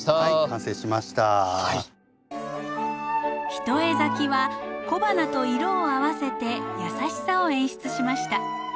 一重咲きは小花と色を合わせて優しさを演出しました。